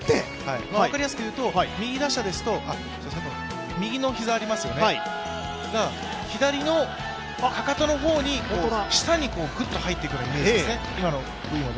分かりやすく言うと、右打者ですと右の膝が左のかかとの方に、下にグッと入ってくるイメージですね。